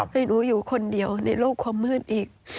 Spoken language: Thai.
ให้หนูอยู่คนเดียวในโลกความมืดอีก